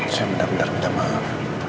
saya benar benar minta maaf